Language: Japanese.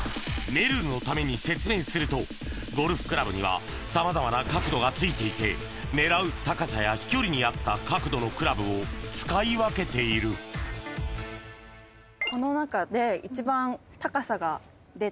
めるるのために説明するとゴルフクラブにはさまざまな角度がついていて狙う高さや飛距離に合った角度のクラブを使い分けているこの中で。